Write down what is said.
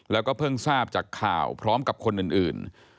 แล้วก็เพิ่งทราบจากข่าวพร้อมกับคนอื่น